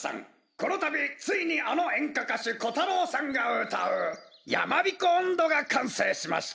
このたびついにあのえんかかしゅコタロウさんがうたう「やまびこおんど」がかんせいしました。